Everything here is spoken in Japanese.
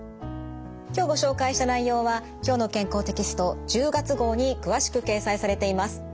今日ご紹介した内容は「きょうの健康」テキスト１０月号に詳しく掲載されています。